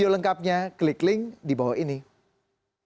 itu yang saya tanya dari awal dan gak ada yang mau jawab